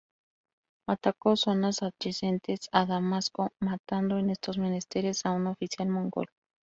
Atacó zonas adyacentes a Damasco, matando en estos menesteres a un oficial mongol.